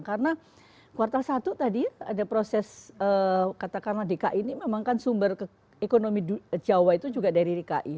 karena kuartal satu tadi ada proses katakanlah dki ini memang kan sumber ekonomi jawa itu juga dari dki